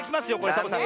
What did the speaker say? サボさん。